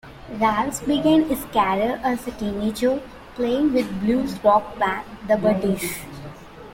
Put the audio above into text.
Ralphs began his career as a teenager, playing with blues-rock band the Buddies.